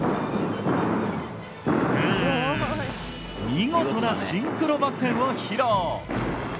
見事なシンクロバク転を披露！